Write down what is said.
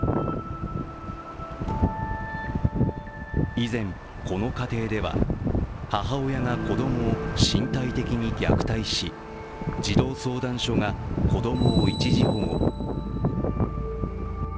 以前、この家庭では母親が子供を身体的に虐待し児童相談所が子供を一時保護。